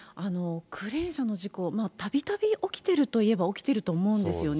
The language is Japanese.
クレーン車の事故、たびたび起きてるといえば起きてると思うんですよね。